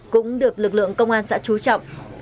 cũng được lực lượng công an xã trú trọng